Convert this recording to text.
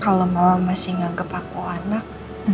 kalau mama masih nganggep aku anak